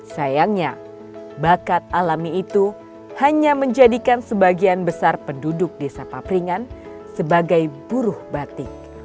sayangnya bakat alami itu hanya menjadikan sebagian besar penduduk desa papringan sebagai buruh batik